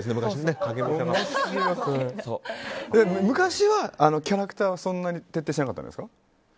昔は、キャラクターはそんなに徹底していなかったんですか。